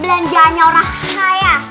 belanjanya orang kaya